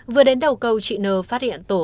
vừa đến đầu cầu chị n phát hiện tổ công